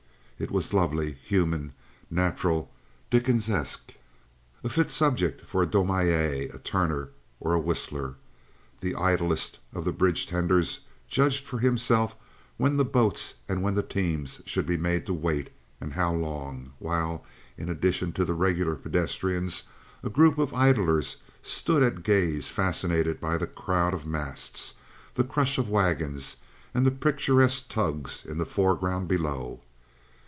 It was lovely, human, natural, Dickensesque—a fit subject for a Daumier, a Turner, or a Whistler. The idlest of bridge tenders judged for himself when the boats and when the teams should be made to wait, and how long, while in addition to the regular pedestrians a group of idlers stood at gaze fascinated by the crowd of masts, the crush of wagons, and the picturesque tugs in the foreground below.